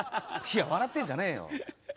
いや笑ってんじゃねえよ。